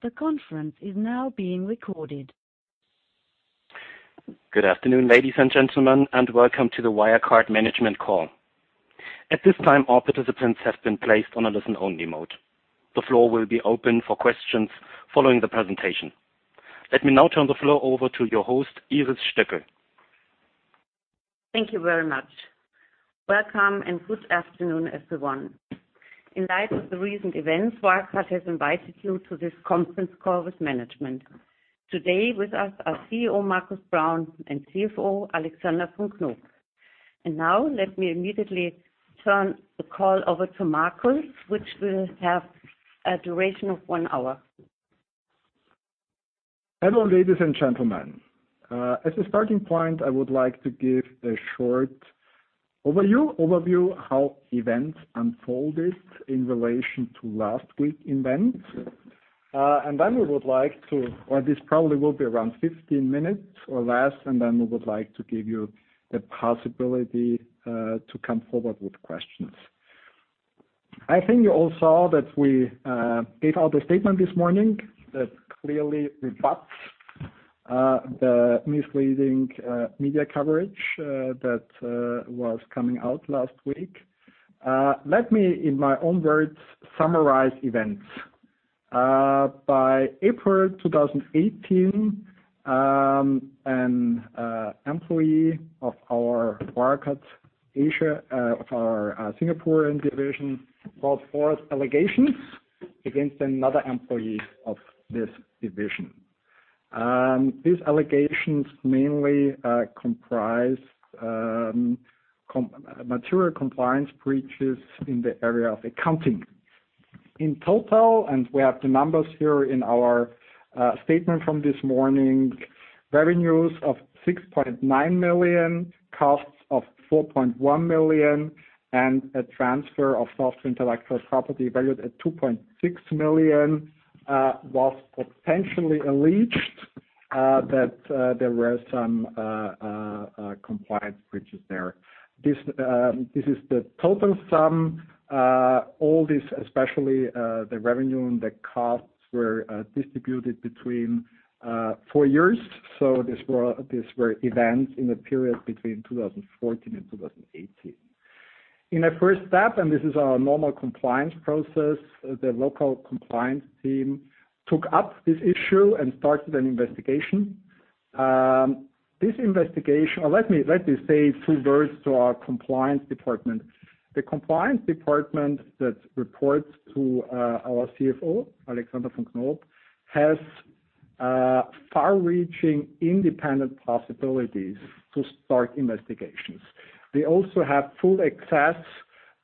Good afternoon, ladies and gentlemen, and welcome to the Wirecard management call. At this time, all participants have been placed on a listen-only mode. The floor will be open for questions following the presentation. Let me now turn the floor over to your host, Iris Stöckl. Thank you very much. Welcome, and good afternoon, everyone. In light of the recent events, Wirecard has invited you to this conference call with management. Today with us are CEO Markus Braun and CFO Alexander von Knoop. Now let me immediately turn the call over to Markus, which will have a duration of 1 hour. Hello, ladies and gentlemen. As a starting point, I would like to give a short overview how events unfolded in relation to last week events. This probably will be around 15 minutes or less, then we would like to give you the possibility to come forward with questions. I think you all saw that we gave out a statement this morning that clearly rebuts the misleading media coverage that was coming out last week. Let me, in my own words, summarize events. By April 2018, an employee of our Wirecard Asia, of our Singaporean division brought forth allegations against another employee of this division. These allegations mainly comprise material compliance breaches in the area of accounting. In total, and we have the numbers here in our statement from this morning, revenues of 6.9 million, costs of 4.1 million, and a transfer of software intellectual property valued at 2.6 million, was potentially alleged that there were some compliance breaches there. This is the total sum. All this, especially the revenue and the costs were distributed between four years. These were events in the period between 2014 and 2018. In a first step, and this is our normal compliance process, the local compliance team took up this issue and started an investigation. Or let me say two words to our compliance department. The compliance department that reports to our CFO, Alexander von Knoop, has far-reaching independent possibilities to start investigations. They also have full access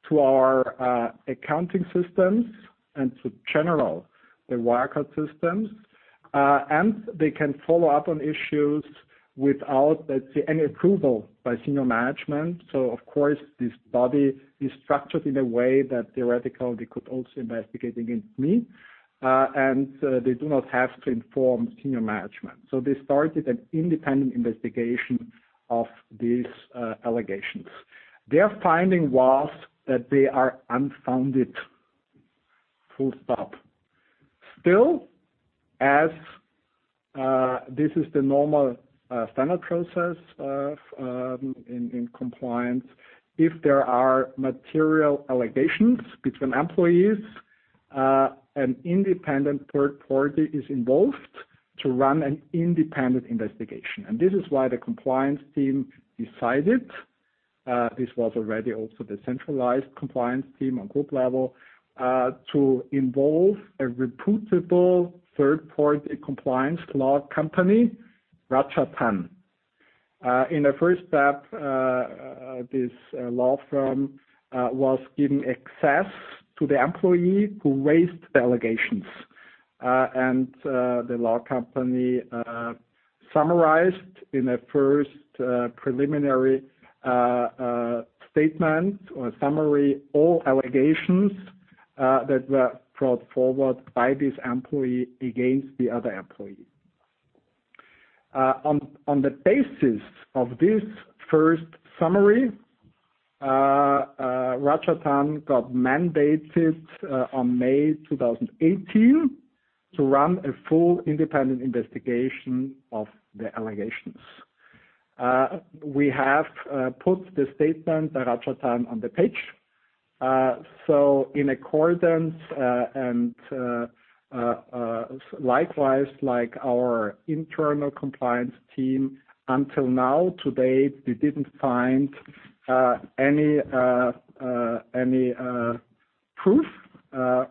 to our accounting systems and to general the Wirecard systems. They can follow up on issues without, let's say, any approval by senior management. Of course, this body is structured in a way that theoretically they could also investigate against me, they do not have to inform senior management. They started an independent investigation of these allegations. Their finding was that they are unfounded, full stop. Still, as this is the normal standard process of in compliance, if there are material allegations between employees, an independent third party is involved to run an independent investigation. This is why the compliance team decided, this was already also the centralized compliance team on group level, to involve a reputable third-party compliance law company, Rajah & Tann. In a first step, this law firm was given access to the employee who raised the allegations. The law company summarized in a first preliminary statement or summary all allegations that were brought forward by this employee against the other employee. On the basis of this first summary, Rajah & Tann got mandated on May 2018 to run a full independent investigation of the allegations. We have put the statement by Rajah & Tann on the page. In accordance, and likewise, like our internal compliance team, until now, to date, they didn't find any proof,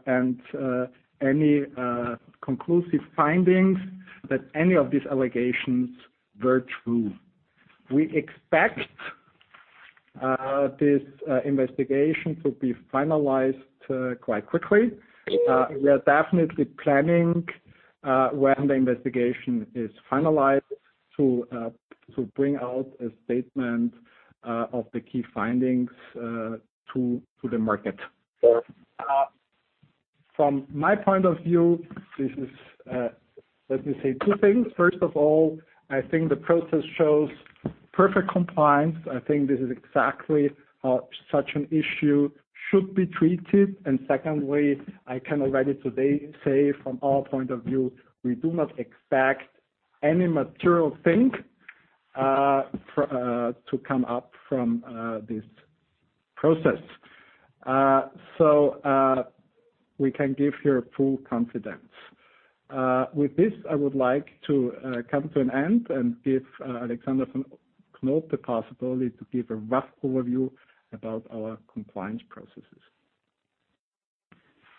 and any conclusive findings that any of these allegations were true. We expect this investigation to be finalized quite quickly. We are definitely planning, when the investigation is finalized to bring out a statement of the key findings to the market. From my point of view, this is, let me say two things. First of all, I think the process shows perfect compliance. I think this is exactly how such an issue should be treated. Secondly, I can already today say from our point of view, we do not expect any material thing for to come up from this process. We can give here full confidence. With this, I would like to come to an end and give Alexander von Knoop the possibility to give a rough overview about our compliance processes.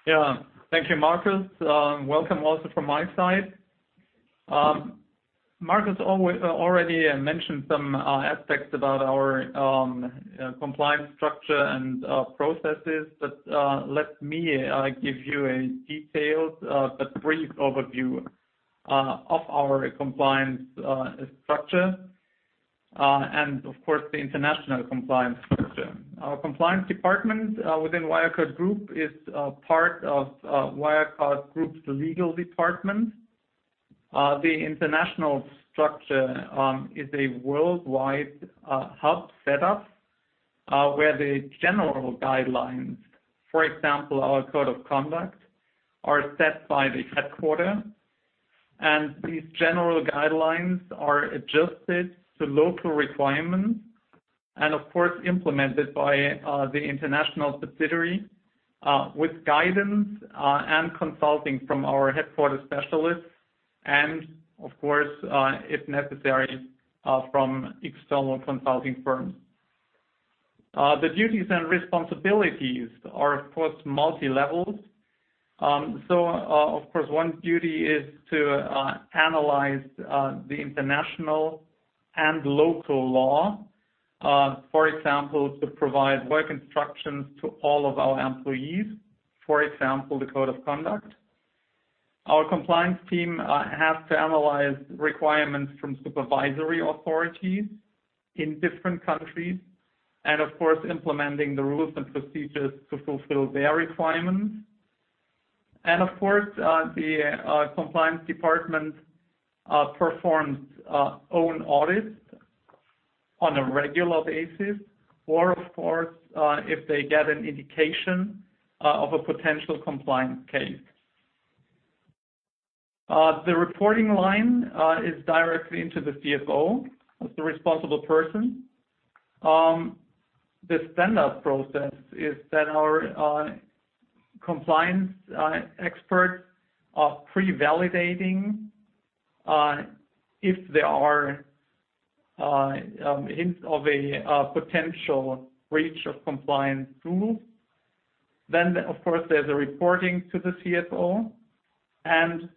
Yeah. Thank you, Markus. Welcome also from my side. Markus already mentioned some aspects about our compliance structure and processes, but let me give you a detailed but brief overview of our compliance structure and of course, the international compliance structure. Our compliance department within Wirecard Group is part of Wirecard Group's legal department. The international structure is a worldwide hub setup where the general guidelines, for example, our code of conduct, are set by the headquarter. These general guidelines are adjusted to local requirements and of course, implemented by the international subsidiary with guidance and consulting from our headquarter specialists and of course, if necessary, from external consulting firms. The duties and responsibilities are of course multilevel. Of course, one duty is to analyze the international and local law, for example, to provide work instructions to all of our employees, for example, the code of conduct. Our compliance team has to analyze requirements from supervisory authorities in different countries, and of course, implementing the rules and procedures to fulfill their requirements. Of course, the compliance department performs own audits on a regular basis or of course, if they get an indication of a potential compliance case. The reporting line is directly into the CFO as the responsible person. The standard process is that our compliance experts are pre-validating if there are hints of a potential breach of compliance rule. Of course, there's a reporting to the CFO and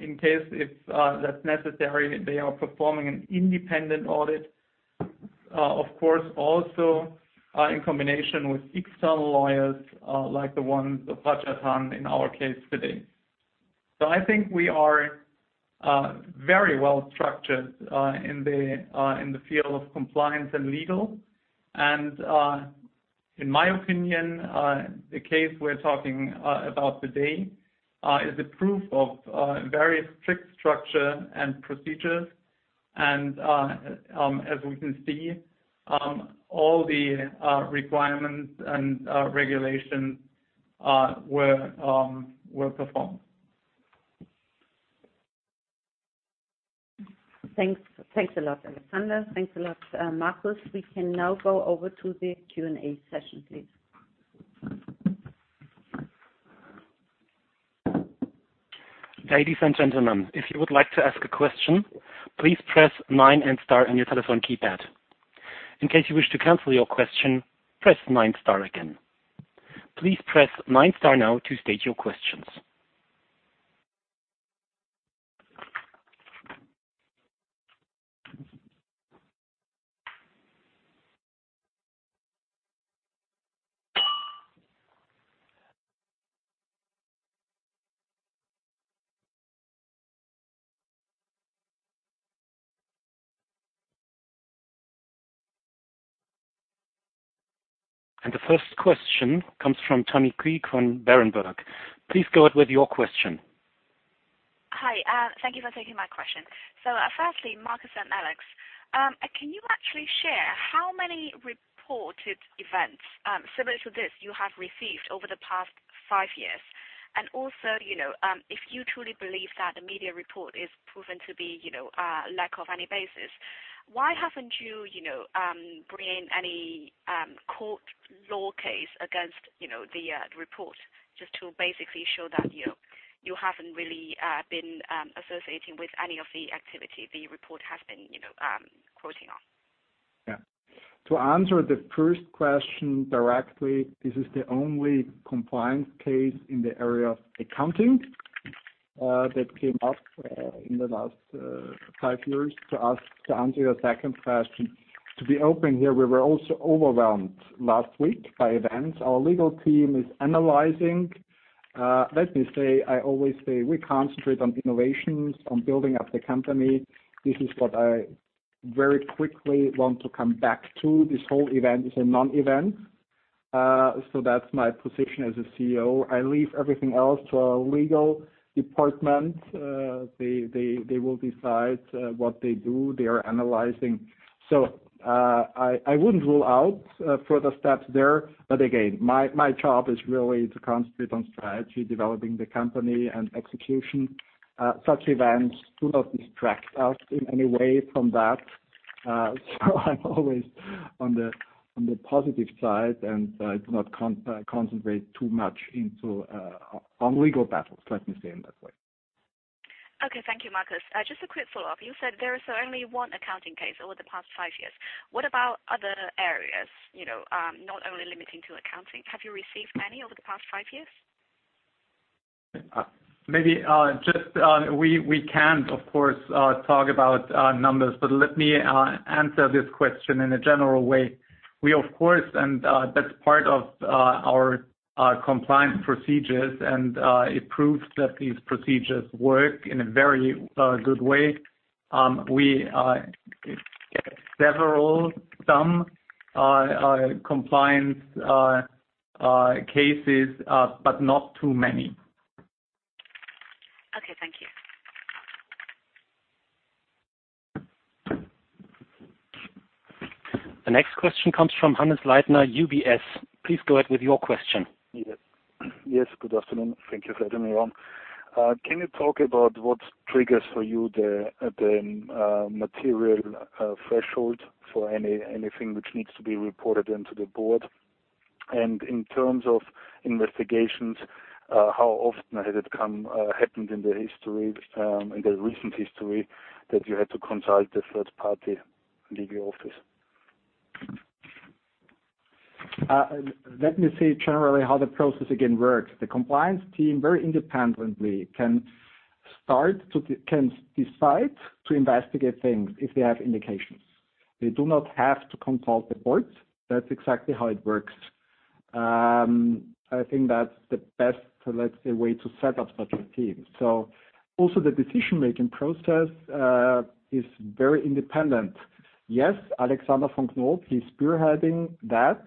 in case if that's necessary, they are performing an independent audit, of course, also in combination with external lawyers, like the one, the Rajah & Tann in our case today. I think we are very well structured in the field of compliance and legal. In my opinion, the case we're talking about today is a proof of very strict structure and procedures. As we can see, all the requirements and regulations were performed. Thanks, thanks a lot, Alexander. Thanks a lot, Markus. We can now go over to the Q&A session, please. The first question comes from Tammy Qiu on Berenberg. Please go ahead with your question. Hi, thank you for taking my question. Firstly, Markus and Alex, can you actually share how many reported events similar to this you have received over the past 5 years? Also, you know, if you truly believe that the media report is proven to be, you know, lack of any basis, why haven't you know, bring any court law case against, you know, the report just to basically show that, you know, you haven't really been associating with any of the activity the report has been, you know, quoting on? Yeah. To answer the first question directly, this is the only compliance case in the area of accounting that came up in the last 5 years to us. To answer your second question, to be open here, we were also overwhelmed last week by events. Our legal team is analyzing. Let me say, I always say we concentrate on innovations, on building up the company. This is what I very quickly want to come back to this whole event is a non-event. That's my position as a CEO. I leave everything else to our legal department. They will decide what they do, they are analyzing. I wouldn't rule out further steps there. Again, my job is really to concentrate on strategy, developing the company and execution. Such events do not distract us in any way from that. I'm always on the, on the positive side, and I do not concentrate too much into, on legal battles, let me say in that way. Thank you, Markus. Just a quick follow-up. You said there is only 1 accounting case over the past 5 years. What about other areas, you know, not only limiting to accounting? Have you received many over the past 5 years? Maybe, just, we can of course, talk about, numbers, but let me, answer this question in a general way. We, of course, and, that's part of, our, compliance procedures, and, it proves that these procedures work in a very, good way. We, get some, compliance, cases, but not too many. Okay, thank you. The next question comes from Hannes Leitner, UBS. Please go ahead with your question. Yes. Yes, good afternoon. Thank you for letting me on. Can you talk about what triggers for you the material threshold for anything which needs to be reported into the Board? In terms of investigations, how often has it happened in the history, in the recent history that you had to consult the third party legal office? Let me say generally how the process again works. The compliance team, very independently, can decide to investigate things if they have indications. They do not have to consult the board. That's exactly how it works. I think that's the best, let's say, way to set up such a team. Also the decision-making process is very independent. Alexander von Knoop, he's spearheading that,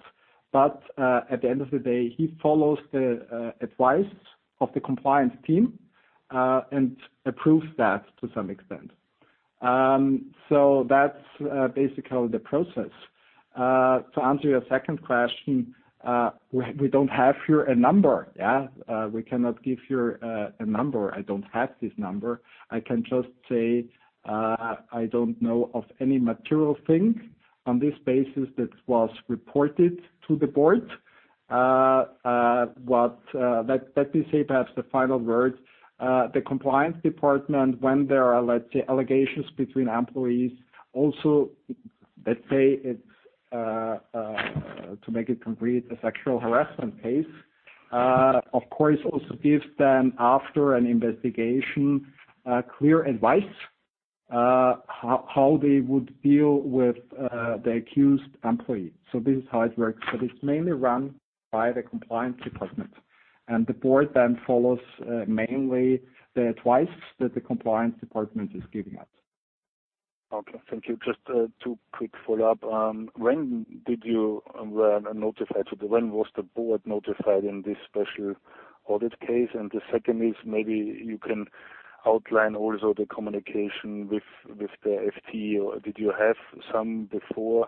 but at the end of the day, he follows the advice of the compliance team and approves that to some extent. That's basically the process. To answer your second question, we don't have here a number. We cannot give here a number. I don't have this number. I can just say, I don't know of any material thing on this basis that was reported to the board. Let me say perhaps the final word. The compliance department, when there are, let's say, allegations between employees also, let's say it's, to make it complete, a sexual harassment case, of course also gives them, after an investigation, a clear advice, how they would deal with the accused employee. This is how it works, but it's mainly run by the compliance department. The board then follows, mainly the advice that the compliance department is giving us. Okay. Thank you. Just two quick follow-up. When was the board notified in this special audit case? The second is maybe you can outline also the communication with the FT, or did you have some before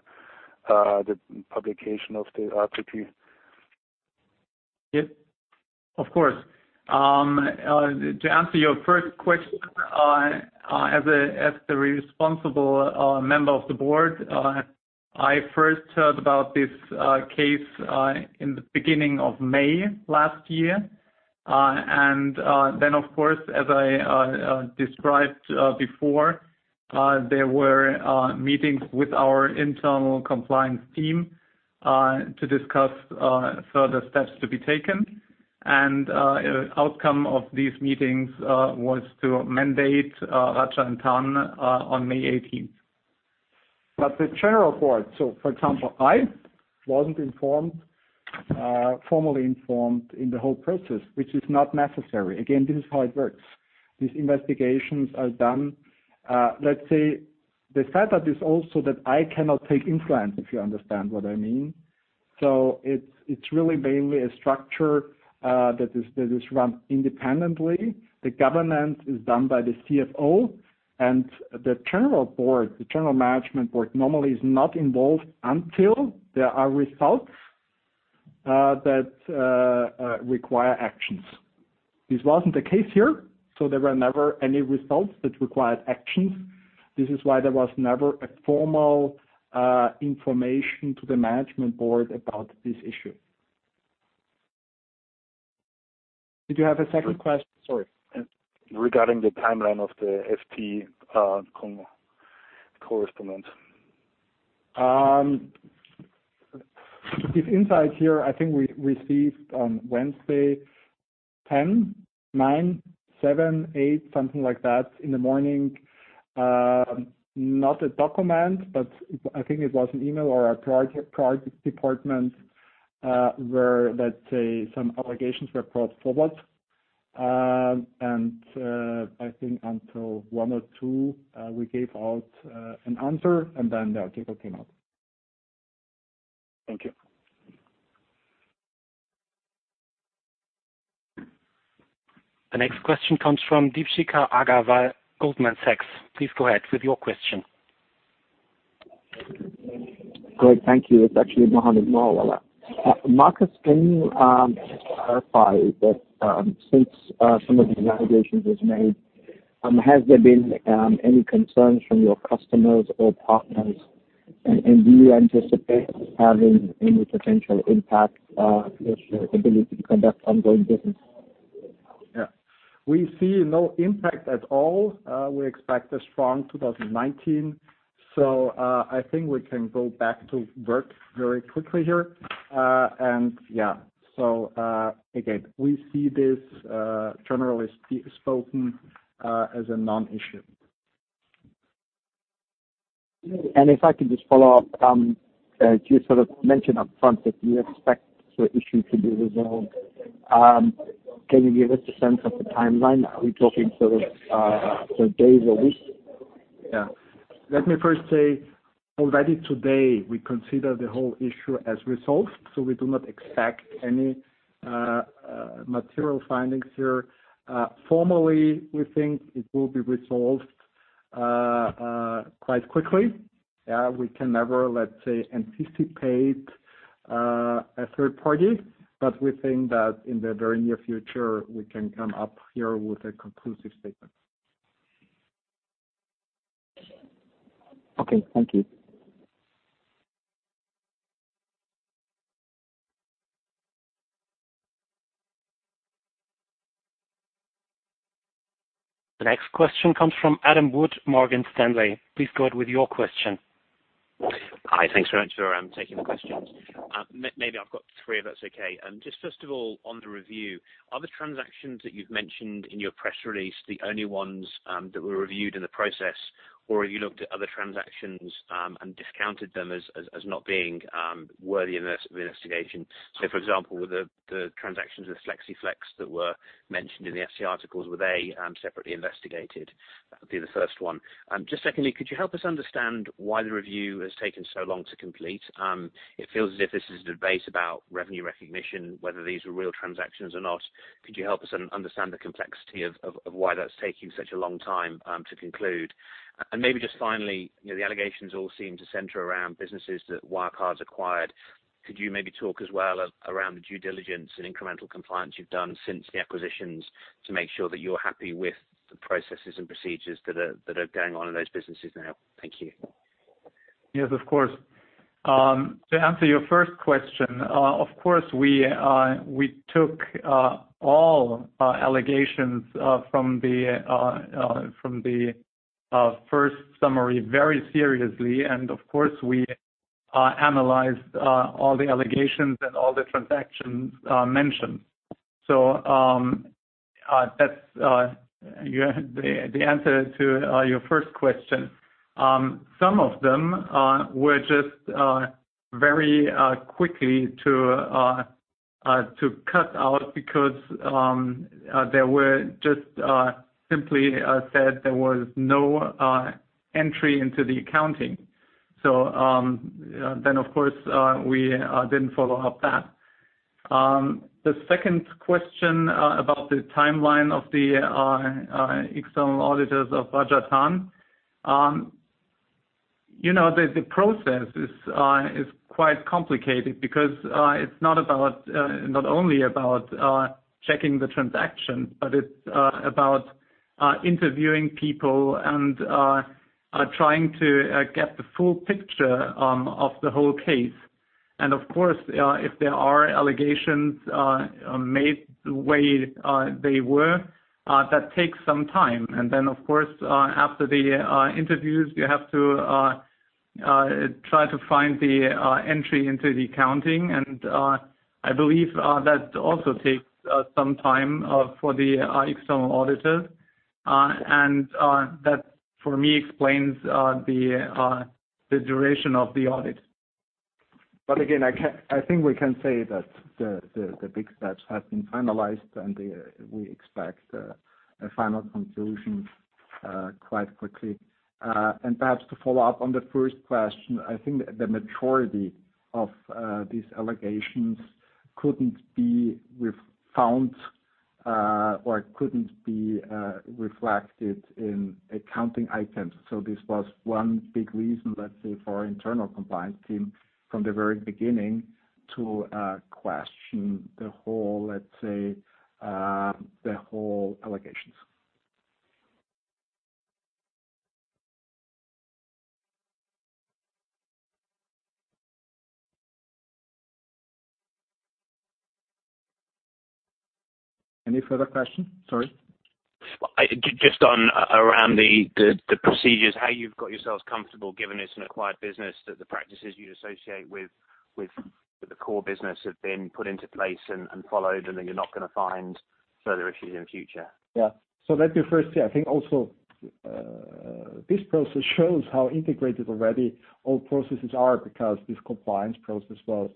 the publication of the article? Yes, of course. To answer your first question, as the responsible member of the board, I first heard about this case in the beginning of May last year. Then of course, as I described before, there were meetings with our internal compliance team to discuss further steps to be taken. Outcome of these meetings was to mandate Rajah & Tann on May 18th. The general board, so for example, I wasn't informed, formally informed in the whole process, which is not necessary. Again, this is how it works. These investigations are done. Let's say the setup is also that I cannot take influence, if you understand what I mean. It's really mainly a structure that is run independently. The governance is done by the CFO and the general board. The general management board normally is not involved until there are results that require actions. This wasn't the case here, so there were never any results that required actions. This is why there was never a formal information to the management board about this issue. Did you have a second question? Sorry. Regarding the timeline of the FT, correspondent. This insight here, I think we received on Wednesday 10, 9, 7, 8, something like that in the morning. Not a document, but I think it was an email or a [project card department], where, let's say some allegations were brought forward. I think until 1 or 2, we gave out an answer, and then the article came out. Thank you. The next question comes from Deepshikha Agarwal, Goldman Sachs. Please go ahead with your question. Great. Thank you. It's actually Mohammed Moawalla. Markus, can you clarify that since some of these allegations was made, has there been any concerns from your customers or partners? Do you anticipate having any potential impact with your ability to conduct ongoing business? We see no impact at all. We expect a strong 2019. I think we can go back to work very quickly here. Again, we see this generally spoken as a non-issue. If I could just follow up, you sort of mentioned upfront that you expect the issue to be resolved. Can you give us a sense of the timeline? Are we talking sort of days or weeks? Yeah. Let me first say already today, we consider the whole issue as resolved, we do not expect any material findings here. Formally, we think it will be resolved quite quickly. We can never, let's say, anticipate a third party, we think that in the very near future, we can come up here with a conclusive statement. Okay. Thank you. The next question comes from Adam Wood, Morgan Stanley. Please go ahead with your question. Hi. Thanks very much for taking the questions. Maybe I've got three, if that's okay. Just first of all, on the review, are the transactions that you've mentioned in your press release the only ones that were reviewed in the process, or have you looked at other transactions and discounted them as not being worthy of investigation? For example, with the transactions with FlexiFlex that were mentioned in the FT articles, were they separately investigated? That'd be the first one. Just secondly, could you help us understand why the review has taken so long to complete? It feels as if this is a debate about revenue recognition, whether these were real transactions or not. Could you help us understand the complexity of why that's taking such a long time to conclude? Maybe just finally, the allegations all seem to center around businesses that Wirecard's acquired. Could you maybe talk as well around the due diligence and incremental compliance you've done since the acquisitions to make sure that you're happy with the processes and procedures that are going on in those businesses now? Thank you. Yes, of course. To answer your first question, of course, we took all allegations from the first summary very seriously, and of course we analyzed all the allegations and all the transactions mentioned. That's the answer to your first question. Some of them were just very quickly to cut out because they were just simply said there was no entry into the accounting. Then of course, we didn't follow up that. The second question about the timeline of the external auditors of Rajah & Tann. You know, the process is quite complicated because it's not about not only about checking the transaction, but it's about interviewing people and trying to get the full picture of the whole case. If there are allegations made the way they were, that takes some time. After the interviews, you have to try to find the entry into the accounting. I believe that also takes some time for the external auditors. That for me explains the duration of the audit. Again, I think we can say that the big steps have been finalized. We expect a final conclusion quite quickly. Perhaps to follow up on the first question, I think the maturity of these allegations couldn't be found or couldn't be reflected in accounting items. This was one big reason, let's say, for our internal compliance team from the very beginning to question the whole, let's say, the whole allegations. Any further question? Sorry. Well, just on around the procedures, how you've got yourselves comfortable giving this an acquired business that the practices you'd associate with the core business have been put into place and followed, and then you're not gonna find further issues in the future. Yeah. Let me first say, I think also, this process shows how integrated already all processes are because this compliance process was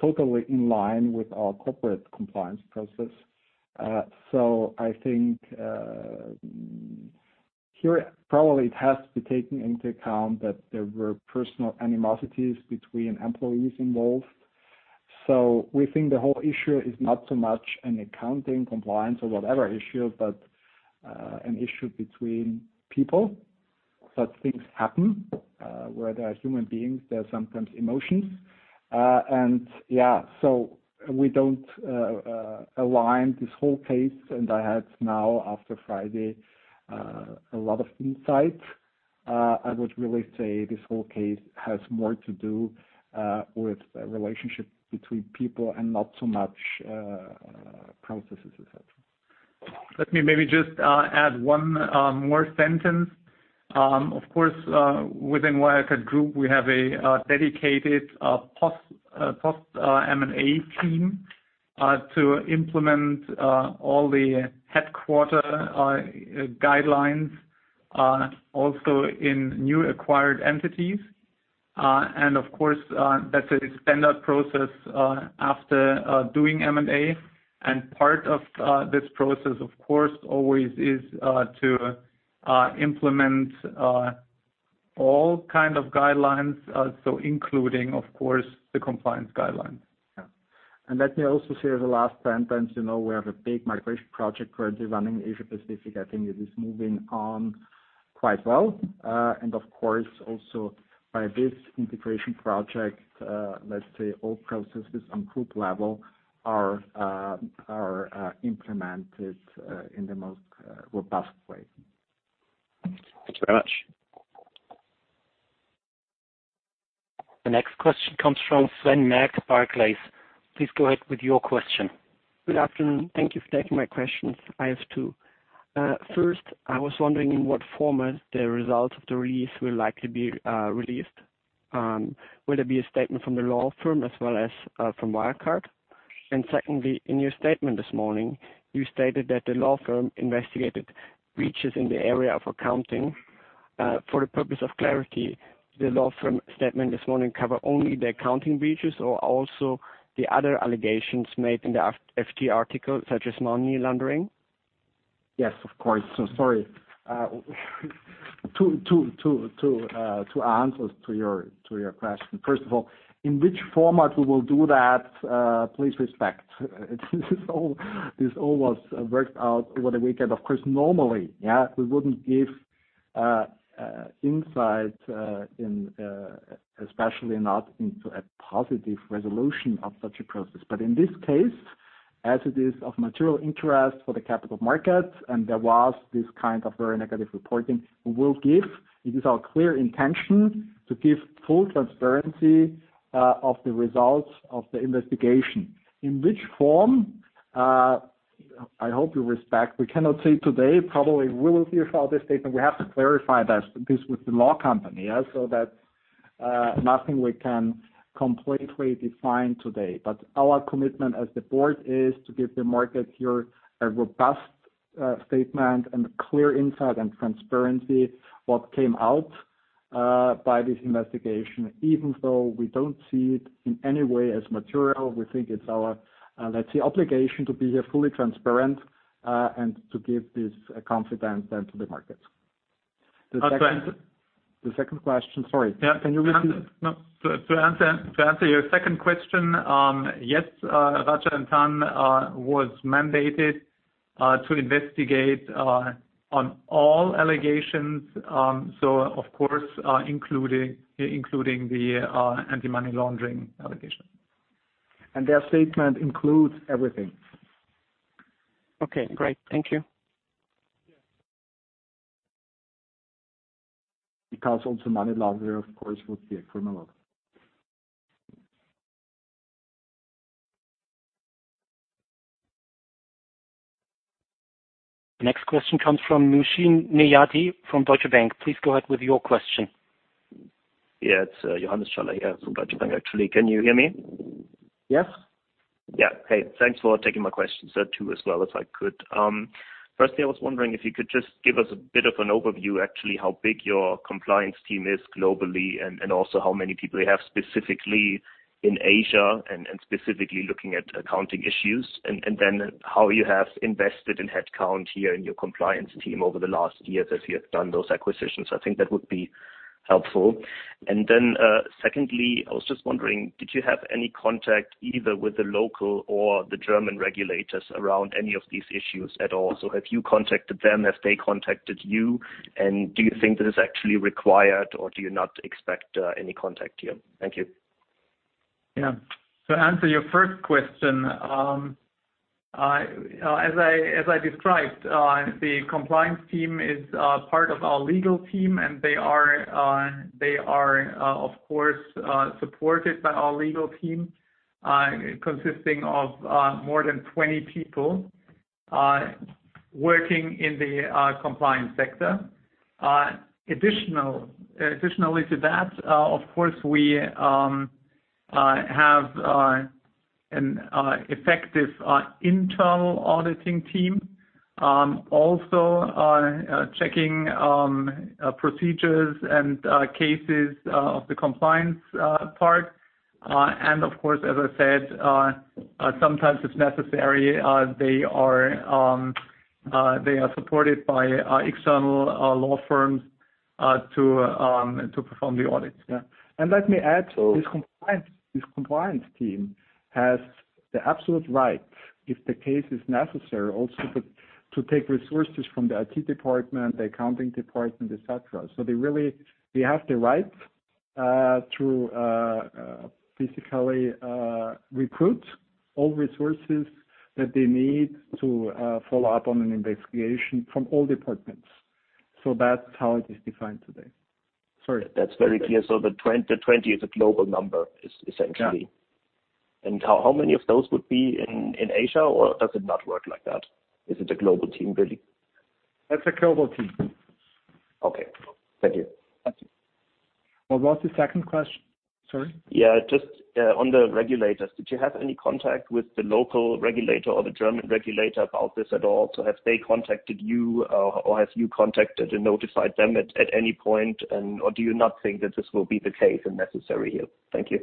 totally in line with our corporate compliance process. I think. Here, probably it has to be taken into account that there were personal animosities between employees involved. We think the whole issue is not so much an accounting compliance or whatever issue, but an issue between people. Such things happen, where there are human beings, there are sometimes emotions. Yeah, we don't align this whole case. I had now, after Friday, a lot of insights. I would really say this whole case has more to do with the relationship between people and not so much processes et cetera. Let me maybe just add one more sentence. Of course, within Wirecard Group, we have a dedicated post M&A team to implement all the headquarter guidelines also in new acquired entities. Of course, that's a standard process after doing M&A. Part of this process, of course, always is to implement all kind of guidelines, so including, of course, the compliance guidelines. Yeah. Let me also say the last sentence, you know, we have a big migration project currently running Asia-Pacific. I think it is moving on quite well. Of course, also by this integration project, let's say all processes on group level are implemented in the most robust way. Thank you very much. The next question comes from Sven Merkt, Barclays. Please go ahead with your question. Good afternoon. Thank you for taking my questions. I have two. First, I was wondering in what format the results of the release will likely be released. Will there be a statement from the law firm as well as from Wirecard? Secondly, in your statement this morning, you stated that the law firm investigated breaches in the area of accounting. For the purpose of clarity, the law firm statement this morning cover only the accounting breaches or also the other allegations made in the FT article, such as money laundering? Yes, of course. Sorry. To answer to your question. First of all, in which format we will do that, please respect. This all was worked out over the weekend. Of course, normally, we wouldn't give insight in especially not into a positive resolution of such a process. In this case, as it is of material interest for the capital market, and there was this kind of very negative reporting, we will give It is our clear intention to give full transparency of the results of the investigation. In which form, I hope you respect, we cannot say today. Probably we will issue for this statement. We have to clarify this with the law company. That's nothing we can completely define today. Our commitment as the board is to give the market here a robust statement and clear insight and transparency what came out by this investigation. Even though we don't see it in any way as material, we think it's our, let's say, obligation to be here fully transparent, and to give this confidence then to the market. Okay. The second question, sorry. Yeah. Can you repeat? No. To answer your second question, yes, Rajah & Tann was mandated to investigate on all allegations. Of course, including the anti-money laundering allegation. Their statement includes everything. Okay, great. Thank you. Yeah. Also money laundering, of course, would be a criminal offense. Next question comes from Nooshin Nejati from Deutsche Bank. Please go ahead with your question. Yeah. It's Johannes Schaller here from Deutsche Bank, actually. Can you hear me? Yes. Yeah. Hey, thanks for taking my questions, two as well, if I could. Firstly, I was wondering if you could just give us a bit of an overview, actually, how big your compliance team is globally, and also how many people you have specifically in Asia and specifically looking at accounting issues. How you have invested in headcount here in your compliance team over the last years as you have done those acquisitions. I think that would be helpful. Secondly, I was just wondering, did you have any contact either with the local or the German regulators around any of these issues at all? Have you contacted them? Have they contacted you? Do you think that is actually required, or do you not expect any contact here? Thank you. Yeah. To answer your first question, as I described, the compliance team is part of our legal team, and they are, of course, supported by our legal team, consisting of more than 20 people working in the compliance sector. Additionally to that, of course, we have an effective internal auditing team also checking procedures and cases of the compliance part. Of course, as I said, sometimes it's necessary, they are supported by external law firms to perform the audits. Yeah. Let me add to this compliance team has the absolute right, if the case is necessary, also to take resources from the IT department, the accounting department, et cetera. They have the right to basically recruit all resources that they need to follow up on an investigation from all departments. That's how it is defined today. Sorry. That's very clear. The 20 is a global number, essentially. Yeah. How many of those would be in Asia or does it not work like that? Is it a global team, really? That's a global team. Okay. Thank you. Thank you. What was the second question? Sorry. Yeah, just on the regulators, did you have any contact with the local regulator or the German regulator about this at all? Have they contacted you, or have you contacted and notified them at any point? Do you not think that this will be the case and necessary here? Thank you.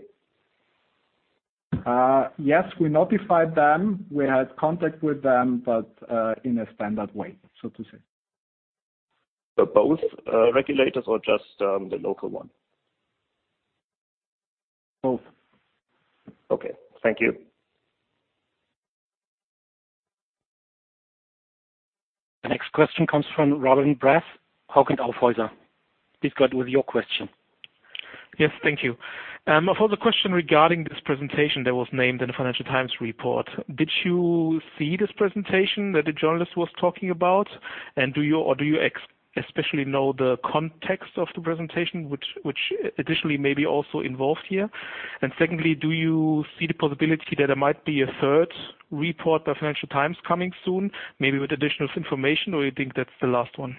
Yes, we notified them. We had contact with them, in a standard way, so to say. Both, regulators or just, the local one? Both. Okay. Thank you. The next question comes from Robin Brass, Hauck & Aufhäuser. Please go ahead with your question. Yes, thank you. For the question regarding this presentation that was named in the Financial Times report, did you see this presentation that the journalist was talking about? Do you especially know the context of the presentation which additionally may be also involved here? Secondly, do you see the possibility that there might be a third report by Financial Times coming soon, maybe with additional information, or you think that's the last one?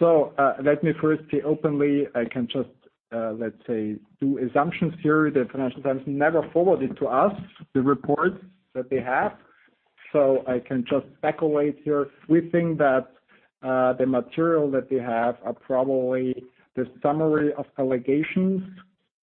Let me first say openly, I can just, let's say, do assumptions here. The Financial Times never forwarded to us the report that they have. I can just speculate here. We think that the material that they have are probably the summary of allegations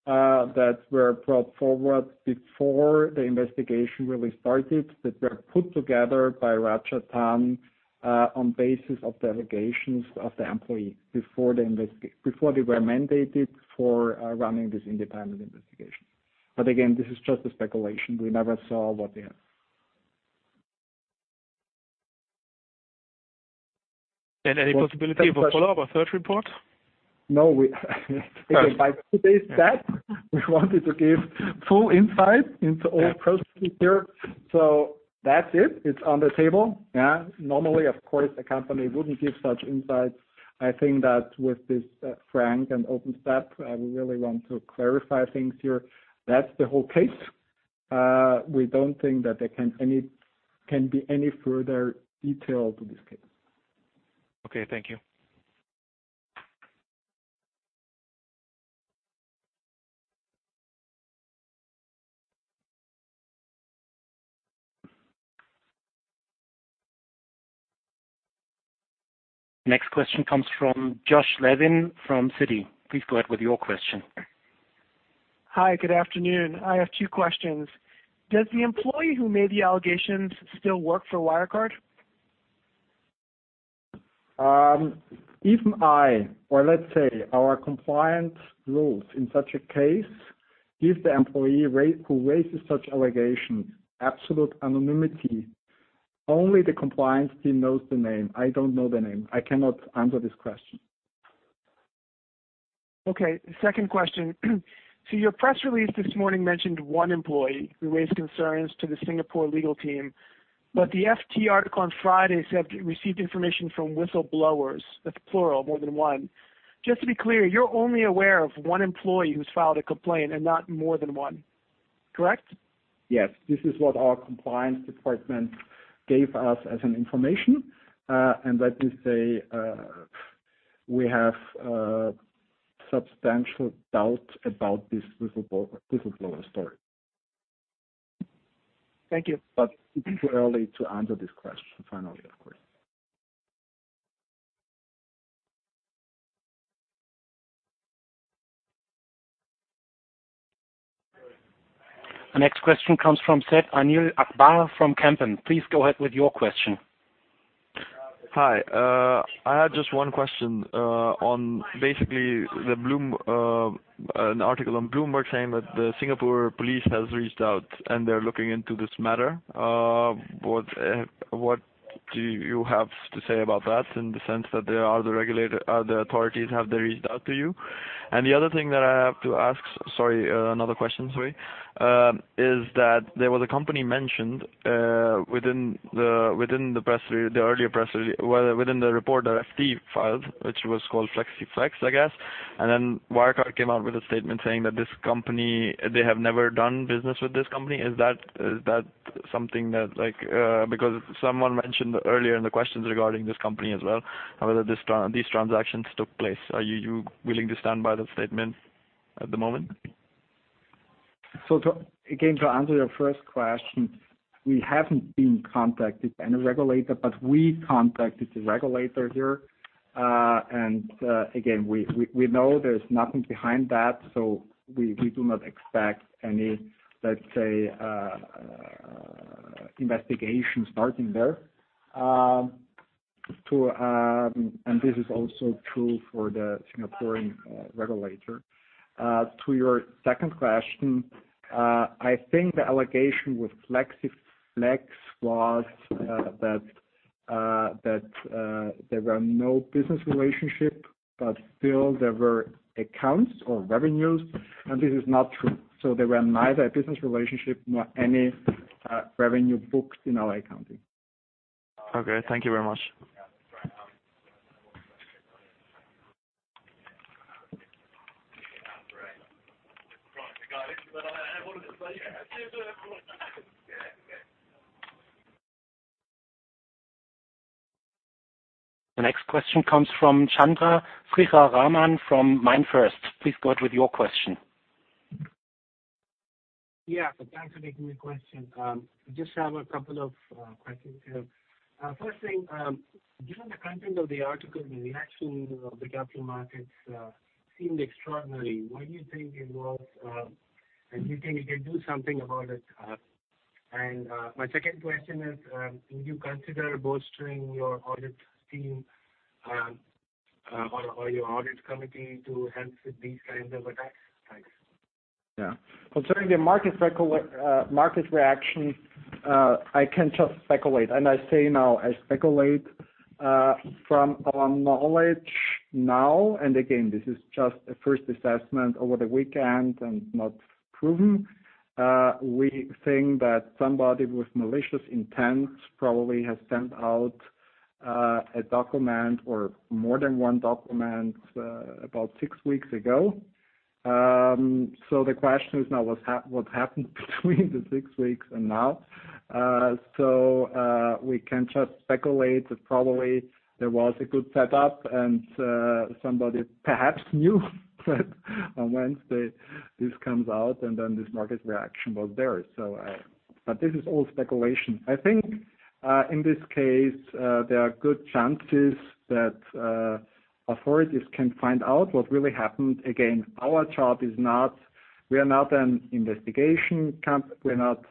that were brought forward before the investigation really started, that were put together by Rajah & Tann on basis of the allegations of the employee before they were mandated for running this independent investigation. Again, this is just a speculation. We never saw what they have. Any possibility of a follow-up, a third report? By today's step, we wanted to give full insight into all processes here. That's it. It's on the table. Normally, of course, a company wouldn't give such insights. I think that with this frank and open step, we really want to clarify things here. That's the whole case. We don't think that there can be any further detail to this case. Okay. Thank you. Next question comes from Josh Levin from Citi. Please go ahead with your question. Hi, good afternoon. I have two questions. Does the employee who made the allegations still work for Wirecard? If I, or let's say our compliance rules in such a case, give the employee who raises such allegations absolute anonymity, only the compliance team knows the name. I don't know the name. I cannot answer this question. Okay. Second question. Your press release this morning mentioned 1 employee who raised concerns to the Singapore legal team, but the FT article on Friday said you received information from whistleblowers. That's plural, more than 1. Just to be clear, you're only aware of 1 employee who's filed a complaint and not more than 1. Correct? Yes. This is what our compliance department gave us as an information. Let me say, we have substantial doubt about this whistleblower story. Thank you. It's too early to answer this question, finally, of course. The next question comes from Syed Anil Akbar from Kempen. Please go ahead with your question. Hi. I had just one question on basically an article on Bloomberg saying that the Singapore police has reached out and they're looking into this matter. What do you have to say about that in the sense that they are the authorities, have they reached out to you? The other thing that I have to ask, sorry, another question, sorry, well, is that there was a company mentioned within the report that FT filed, which was called Flexi Flex, I guess. Then Wirecard came out with a statement saying that this company, they have never done business with this company. Is that something that, like, because someone mentioned earlier in the questions regarding this company as well, whether these transactions took place. Are you willing to stand by that statement at the moment? Again, to answer your first question, we haven't been contacted by any regulator, but we contacted the regulator here. Again, we know there's nothing behind that, we do not expect any, let's say, investigation starting there. This is also true for the Singaporean regulator. To your second question, I think the allegation with Flexi Flex was that there were no business relationship, but still there were accounts or revenues, and this is not true. There were neither a business relationship nor any revenue booked in our accounting. Okay. Thank you very much. The next question comes from Chandra Sriraman from MainFirst. Please go ahead with your question. Yeah. Thanks for taking the question. Just have a couple of questions here. First thing, given the content of the article, the reaction of the capital markets, seemed extraordinary. Why do you think it was, and do you think you can do something about it? My second question is, do you consider bolstering your audit team or your audit committee to help with these kinds of attacks? Thanks. Yeah. Concerning the market reaction, I can just speculate. I say now I speculate, from our knowledge now, and again, this is just a first assessment over the weekend and not proven. We think that somebody with malicious intent probably has sent out a document or more than one document about 6 weeks ago. The question is now what happened between the 6 weeks and now? We can just speculate that probably there was a good setup, and somebody perhaps knew that on Wednesday this comes out, this market reaction was there. This is all speculation. I think, in this case, there are good chances that authorities can find out what really happened. Again, We are not an investigation camp. We're not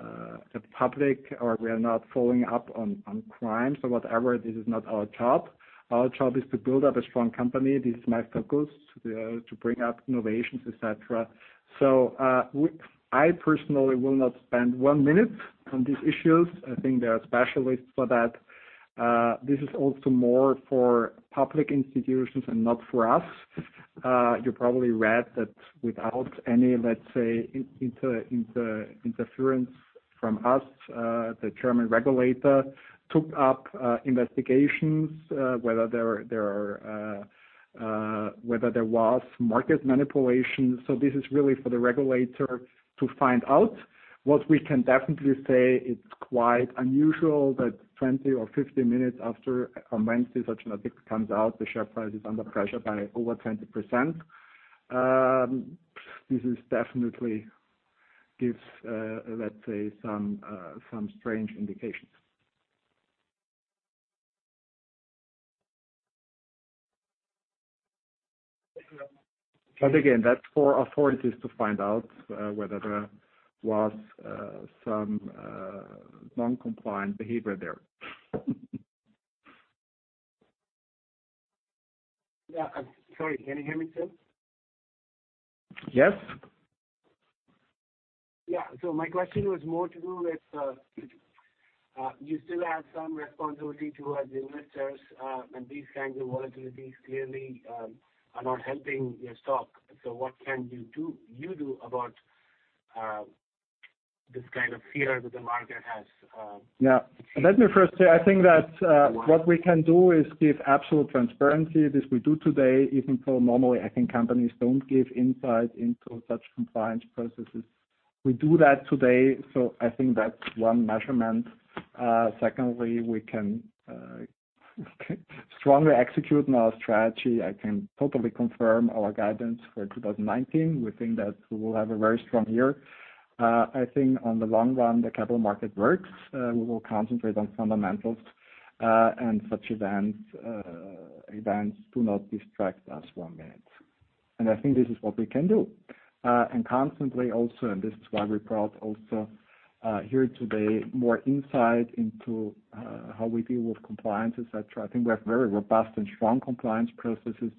a public or we are not following up on crime. Whatever, this is not our job. Our job is to build up a strong company. This is my focus, to bring up innovations, et cetera. I personally will not spend 1 minute on these issues. I think there are specialists for that. This is also more for public institutions and not for us. You probably read that without any, let's say, interference from us, the German regulator took up investigations whether there was market manipulation. This is really for the regulator to find out. What we can definitely say, it's quite unusual that 20 or 50 minutes after on Wednesday such an update comes out, the share price is under pressure by over 20%. This is definitely gives, let's say some strange indications. Thank you. Again, that's for authorities to find out, whether there was some non-compliant behavior there. Yeah. Sorry, can you hear me still? Yes. Yeah. My question was more to do with, you still have some responsibility towards the investors, and these kinds of volatilities clearly are not helping your stock. What can you do about this kind of fear that the market has? Let me first say, I think that what we can do is give absolute transparency. This we do today, even though normally I think companies don't give insight into such compliance processes. We do that today, I think that's 1 measurement. Secondly, we can strongly execute on our strategy. I can totally confirm our guidance for 2019. We think that we will have a very strong year. I think on the long run, the capital market works. We will concentrate on fundamentals, and such events do not distract us 1 minute. I think this is what we can do. Constantly also, and this is why we're proud also, here today, more insight into how we deal with compliance, et cetera. I think we have very robust and strong compliance processes.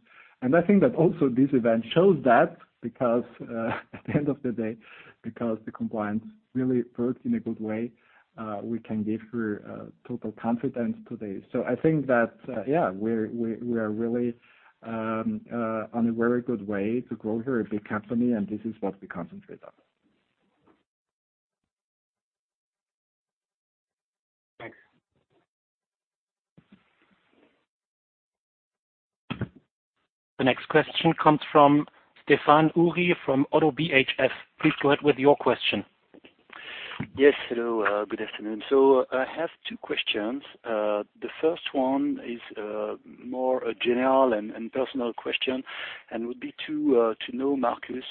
I think that also this event shows that because, at the end of the day, because the compliance really works in a good way, we can give her total confidence today. I think that, yeah, we are really on a very good way to grow here a big company, and this is what we concentrate on. Thanks. The next question comes from Stéphane Houri from Oddo BHF. Please go ahead with your question. Yes. Hello, good afternoon. I have two questions. The first one is more a general and personal question, and would be to know Markus,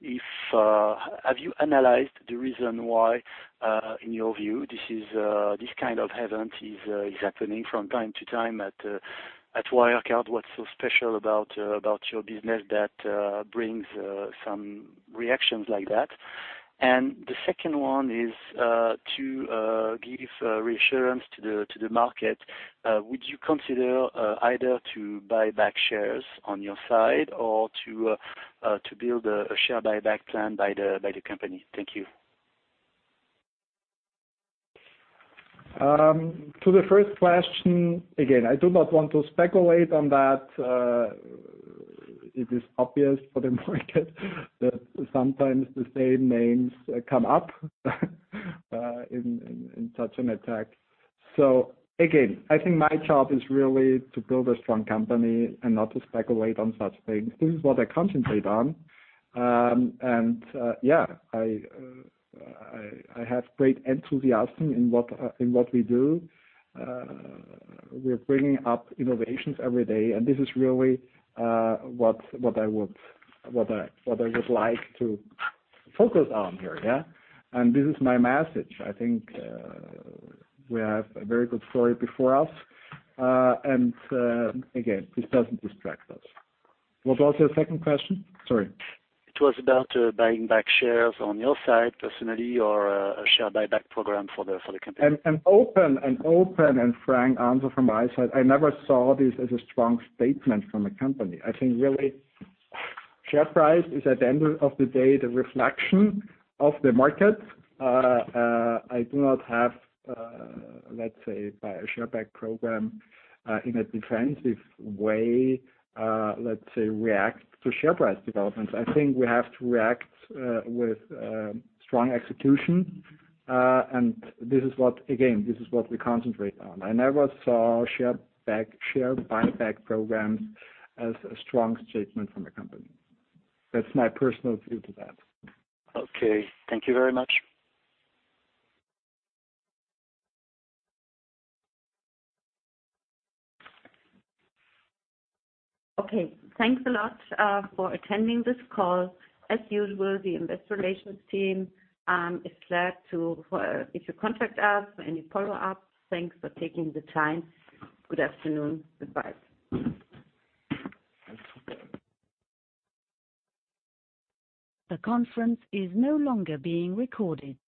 if have you analyzed the reason why, in your view this kind of event is happening from time to time at Wirecard? What's so special about your business that brings some reactions like that? The second one is to give reassurance to the market. Would you consider either to buy back shares on your side or to build a share buyback plan by the company? Thank you. To the first question, again, I do not want to speculate on that. It is obvious for the market that sometimes the same names come up in such an attack. Again, I think my job is really to build a strong company and not to speculate on such things. This is what I concentrate on. Yeah, I have great enthusiasm in what we do. We're bringing up innovations every day, and this is really what I would like to focus on here, yeah. This is my message. I think we have a very good story before us, and again, this doesn't distract us. What was your second question? Sorry. It was about buying back shares on your side personally or, a share buyback program for the company. An open and frank answer from my side, I never saw this as a strong statement from a company. I think really share price is at the end of the day, the reflection of the market. I do not have, let's say, buy a share back program, in a defensive way, let's say react to share price developments. I think we have to react with strong execution. This is what, again, this is what we concentrate on. I never saw share buyback programs as a strong statement from a company. That's my personal view to that. Okay. Thank you very much. Okay. Thanks a lot for attending this call. As usual, the Investor Relations team is glad if you contact us for any follow-ups. Thanks for taking the time. Good afternoon. Goodbye.